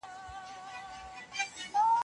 آیا زده کوونکی تر ښوونکي ډېري پوښتنې کوي؟